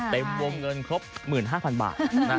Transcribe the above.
เต็มวงเงินครบ๑๕๐๐๐บาท